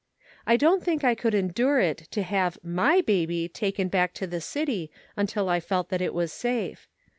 I don't think I could endure it to have my baby taken back to the city until I felt that it was safe.